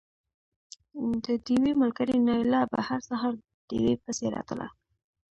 د ډېوې ملګرې نايله به هر سهار ډېوې پسې راتله